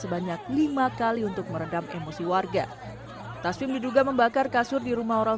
sebanyak lima kali untuk meredam emosi warga taswim diduga membakar kasur di rumah orang